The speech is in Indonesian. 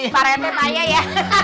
pak rt ayah ya